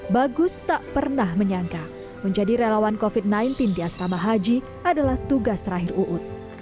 bagus tak pernah menyangka menjadi relawan covid sembilan belas di asrama haji adalah tugas terakhir uud